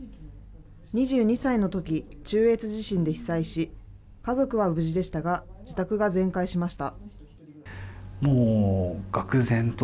２２歳のとき、中越地震で被災し、家族は無事でしたが自宅が全壊しました。